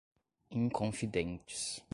Inconfidentes